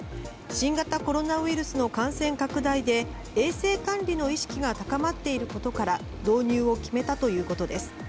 新型コロナウイルスの感染拡大で衛生管理の意識が高まっていることから導入を決めたということです。